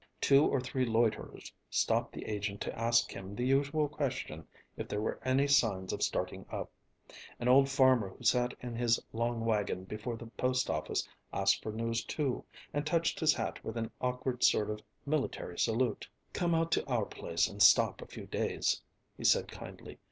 Two or three loiterers stopped the agent to ask him the usual question if there were any signs of starting up; an old farmer who sat in his long wagon before the post office asked for news too, and touched his hat with an awkward sort of military salute. "Come out to our place and stop a few days," he said kindly.